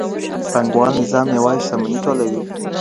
پانګوال نظام يوازي شتمني ټولوي.